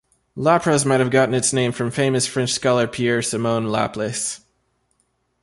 Lapras might have gotten its name from famous French scholar Pierre-Simon Laplace.